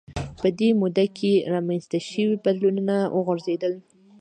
په دې موده کې رامنځته شوي بدلونونه وغځېدل